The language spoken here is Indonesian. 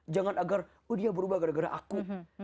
jangan agar oh dia berubah gara gara aku